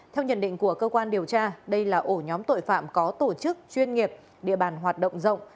theo nhận định của cơ quan điều tra đây là ổ nhóm tội phạm có tổ chức chuyên nghiệp địa bàn hoạt động rộng